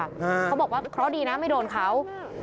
เขาบอกว่าเคราะห์ดีนะไม่โดนเขา